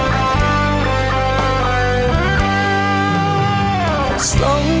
เมื่อจะมีรักใหม่